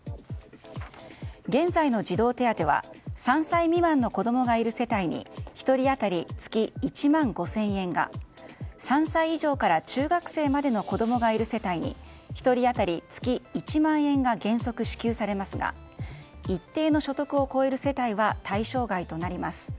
現在の児童手当は３歳未満の子供がいる世帯に１人当たり月１万５０００円が３歳以上から中学生までの子供がいる世帯に１人当たり月１万円が原則支給されますが一定の所得を超える世帯は対象外となります。